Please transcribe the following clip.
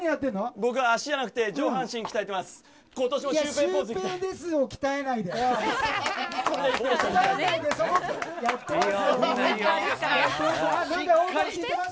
僕は足じゃなくて上半身鍛えてます。